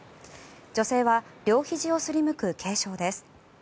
女性は両ひじをすりむく軽傷です。